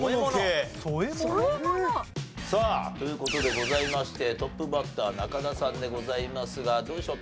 添え物？さあという事でございましてトップバッター中田さんでございますがどうでしょう？